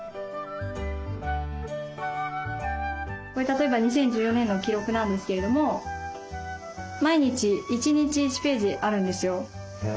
これ例えば２０１４年の記録なんですけれども毎日１日１ページあるんですよ。